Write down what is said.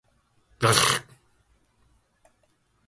ｇｆｖｒｖ